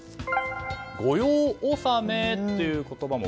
御用納めという言葉も。